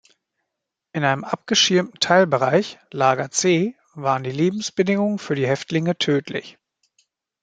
In einem abgeschirmten Teilbereich, Lager C, waren die Lebensbedingungen für die Häftlinge tödlich.